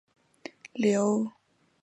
刘知俊得补徐州马步军都指挥使。